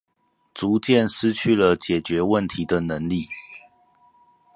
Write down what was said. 逐漸失去了解決問題的能力